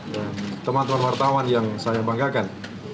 dan teman teman wartawan yang saya banggakan